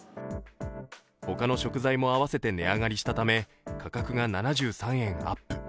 他の食材も併せて値上がりしたため、価格が７３円アップ。